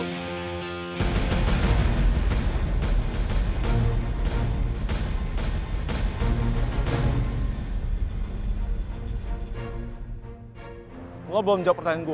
gue belum jawab pertanyaan gue